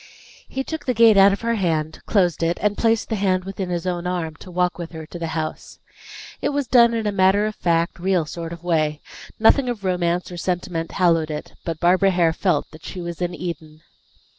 He took the gate out of her hand, closed it, and placed the hand within his own arm, to walk with her to the house. It was done in a matter of fact, real sort of way; nothing of romance or sentiment hallowed it; but Barbara Hare felt that she was in Eden.